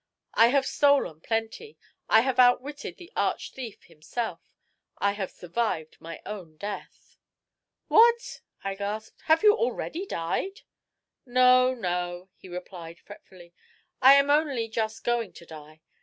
"I have stolen plenty I have outwitted the arch thief himself. I have survived my own death." "What!" I gasped. "Have you already died?" "No, no," he replied fretfully; "I am only just going to die.